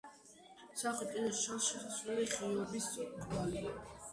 სამხრეთ კედელში ჩანს შესასვლელი ღიობის კვალი.